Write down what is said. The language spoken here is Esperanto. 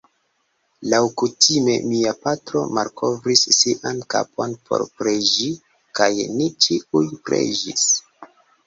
Laŭkutime mia patro malkovris sian kapon por preĝi, kaj ni ĉiuj preĝis.